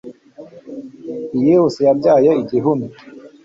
iyihuse yabyaye igihumye